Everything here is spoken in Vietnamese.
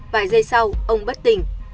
vài giây sau ông bất tỉnh